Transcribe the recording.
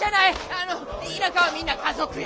あの田舎はみんな家族や！